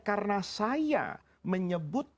karena saya menyebut